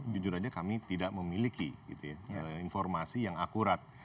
jujur saja kami tidak memiliki informasi yang akurat